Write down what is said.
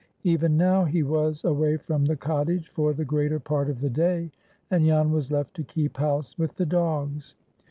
Even now he was away from the cottage for the greater part of the day, and Jan was left to keep house with the dogs.